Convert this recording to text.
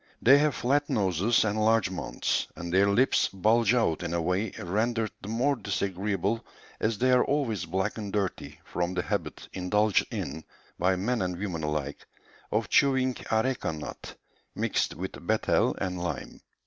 They have flat noses and large mouths, and their lips bulge out in a way rendered the more disagreeable as they are always black and dirty from the habit indulged in, by men and women alike, of chewing areca nut mixed with betel and lime.